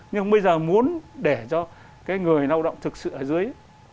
nhưng bây giờ muốn để cho cái người lao động thực sự ở dưới